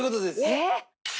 えっ！